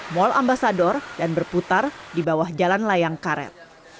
mall ambasador dan berputar di bawah jalan layang karet